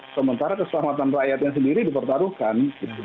sementara keselamatan rakyatnya sendiri dipertaruhkan